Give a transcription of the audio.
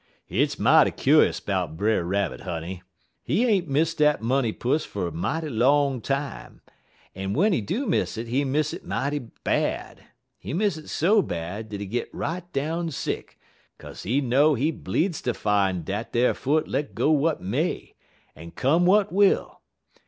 "Hit's mighty kuse 'bout Brer Rabbit, honey. He ain't miss dat money pus fer mighty long time, yit w'en he do miss it, he miss it mighty bad. He miss it so bad dat he git right down sick, 'kaze he know he bleedz ter fine dat ar foot let go w'at may, let come w'at will.